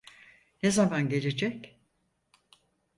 Ne zaman gelecek?